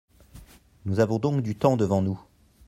Nous avons donc du temps devant nous.